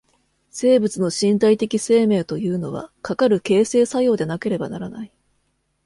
生物の身体的生命というのは、かかる形成作用でなければならない。